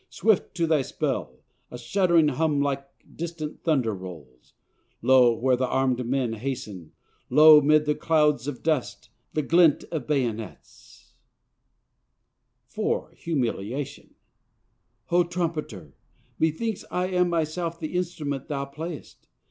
"Swift to thy spell, a shuddering hum like distant thunder rolls; Lo! where the arm'd men hasten Lo! 'mid the clouds of dust, the glint of bayonets;" [IV. "HUMILIATION"] "O trumpeter! methinks I am myself the instrument thou playest!